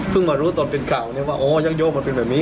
มารู้ตอนเป็นข่าวเนี่ยว่าอ๋อยักโยกมันเป็นแบบนี้